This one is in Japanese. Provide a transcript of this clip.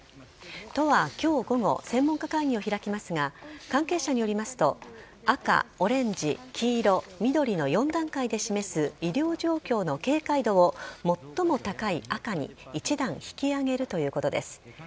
都は今日午後専門家会議を開きますが関係者によりますと赤、オレンジ、黄色、緑の４段階で示す医療状況の警戒度を最も高い赤に１段引き上げるということです。